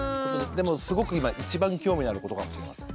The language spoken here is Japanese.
でもすごく今一番興味のあることかもしれません。